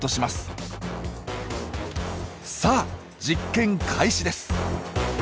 さあ実験開始です！